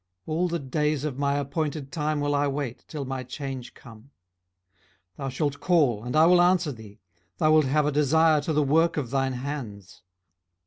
all the days of my appointed time will I wait, till my change come. 18:014:015 Thou shalt call, and I will answer thee: thou wilt have a desire to the work of thine hands.